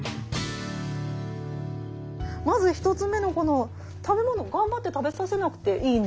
まず１つ目のこの食べ物頑張って食べさせなくていい？